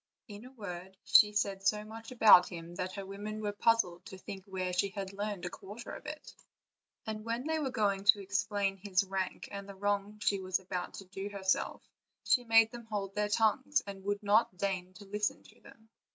In a word, she said so much about him that her women were puzzled to think where she had learned a quarter of it; and when they were going to 338 OLD, OLD FAIRY TALES. explain his rank and the wrong she was about to do her self, she made them hold their tongues and would not deign to listen to them.